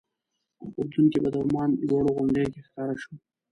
اردن کې به د عمان لوړو غونډیو کې ښکاره شو.